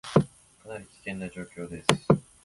かなり危険な状況です